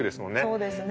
そうですね。